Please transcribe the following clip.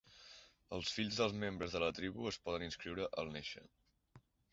Els fills dels membres de la tribu es poden inscriure al néixer.